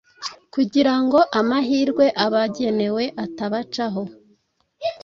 kugira ngo amahirwe abagenewe atabacaho